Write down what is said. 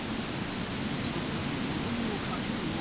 日没まで望みをかけるものの。